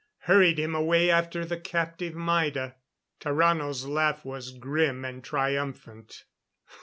hurried him away after the captive Maida.... Tarrano's laugh was grim and triumphant.